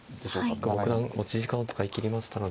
久保九段持ち時間を使い切りましたので。